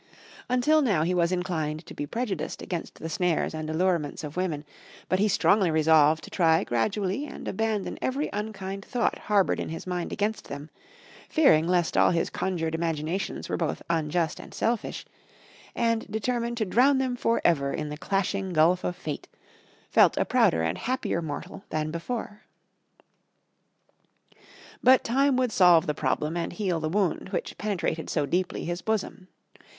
Until now he was inclined to be prejudiced against the snares and allurements of women, but he strongly resolved to try gradually and abandon every unkind thought harboured in his mind against them, fearing lest all his conjured imaginations were both unjust and selfish; and determined to drown them for ever in the clashing gulf of fate, felt a prouder and happier mortal than before. But time would solve the problem and heal the wound which penetrated so deeply his bosom.